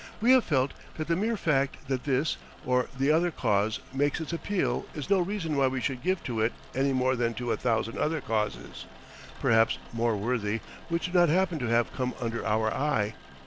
We have felt that the mere fact that this or the other cause makes its appeal is no reason why we should give to it any more than to a thousand other causes, perhaps more worthy, which do not happen to have come under our eye.